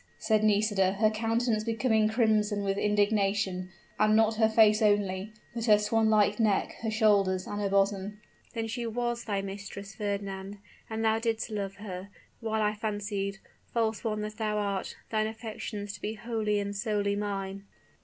said Nisida, her countenance becoming crimson with indignation, and not her face only, but her swan like neck, her shoulders, and her bosom. "Then she was thy mistress, Fernand! And thou didst love her, while I fancied, false one that thou art, thine affections to be wholly and solely mine."